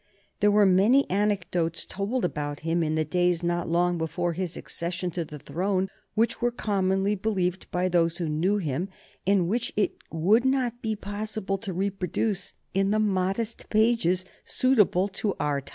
There were many anecdotes told about him in the days not long before his accession to the throne which were commonly believed by those who knew him, and which it would not be possible to reproduce in the modest pages suitable to our own times.